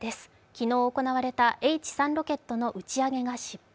昨日、行われたＨ３ロケットの打ち上げが失敗。